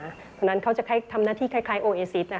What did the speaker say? เพราะฉะนั้นเขาจะทำหน้าที่คล้ายโอเอซิส